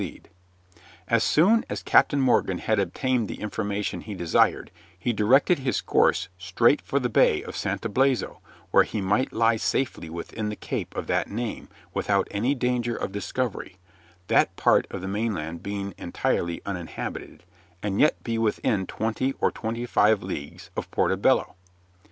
[Illustration: KIDD ON THE DECK OF THE Adventure Galley] So soon as Captain Morgan had obtained the information he desired he directed his course straight for the Bay of Santo Blaso, where he might lie safely within the cape of that name without any danger of discovery (that part of the mainland being entirely uninhabited) and yet be within twenty or twenty five leagues of Porto Bello.